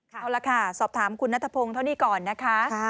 เอาละค่ะสอบถามคุณนัทพงศ์เท่านี้ก่อนนะคะ